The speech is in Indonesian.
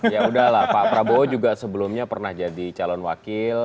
ya udahlah pak prabowo juga sebelumnya pernah jadi calon wakil